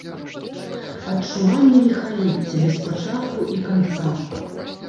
Адчуванне ліхалецця, без пачатку і канца.